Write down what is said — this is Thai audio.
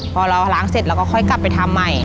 พอเราล้างเสร็จเราก็ค่อยกลับไปทำใหม่